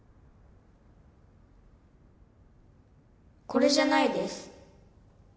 これじゃないです。